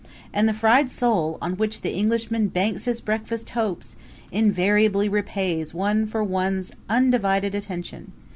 And the fried sole, on which the Englishman banks his breakfast hopes, invariably repays one for one's undivided attention.